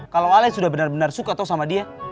kalau ale sudah benar benar suka sama dia